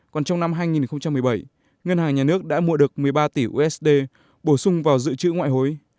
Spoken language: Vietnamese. còn trong năm hai nghìn một mươi bảy ngân hàng nhà nước đã mua được một mươi ba tỷ usd bổ sung vào dự trữ ngoại hối